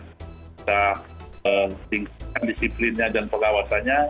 kita tingkatkan disiplinnya dan pengawasannya